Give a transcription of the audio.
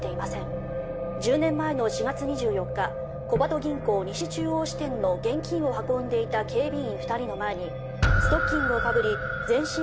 「１０年前の４月２４日小鳩銀行西中央支店の現金を運んでいた警備員２人の前にストッキングをかぶり全身